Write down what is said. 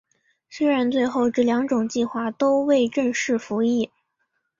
虽然最后这两种计划都未正式服役。